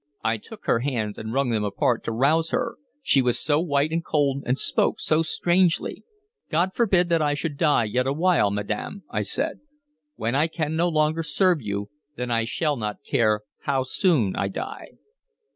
I took her hands and wrung them apart to rouse her, she was so white and cold, and spoke so strangely. "God forbid that I should die yet awhile, madam!" I said. "When I can no longer serve you, then I shall not care how soon I die."